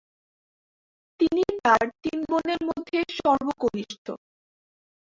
তিনি তার তিন বোনের মধ্যে সর্বকনিষ্ঠ।